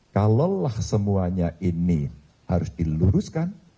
kalaulah semuanya ini harus diluruskan